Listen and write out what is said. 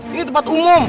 ini tempat umum